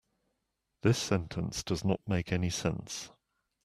This sentence does not make any sense.